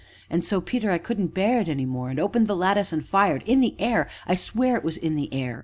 And so, Peter, I couldn't bear it any more and opened the lattice and fired in the air I swear it was in the air.